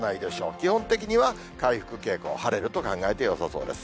基本的には回復傾向、晴れると考えてよさそうです。